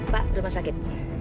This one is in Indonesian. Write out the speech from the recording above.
pak rumah sakit